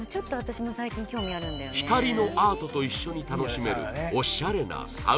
光のアートと一緒に楽しめるオシャレなサウナ